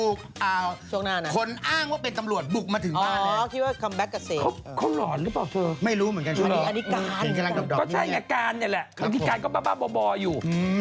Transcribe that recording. อือนะนิดนึกแล้วกันนึงผมฟังละกัน